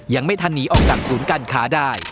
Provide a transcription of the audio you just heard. ยังไม่ทันหนีออกจากศูนย์การค้าได้